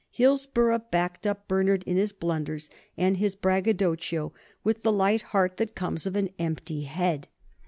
Hillsborough backed up Bernard in his blunders and his braggadocio with the light heart that comes of an empty head.